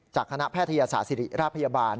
คณะแพทยศาสตร์ศิริราชพยาบาล